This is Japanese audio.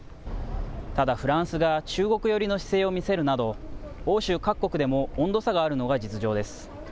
ただ、フランスが中国寄りの姿勢を見せるなど、欧州各国でも温度差があるのが実情です。